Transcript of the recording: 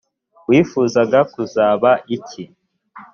wifuzaga kuzaba iki